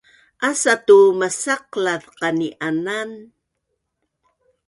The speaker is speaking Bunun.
asa tu masaqlaz qani’anan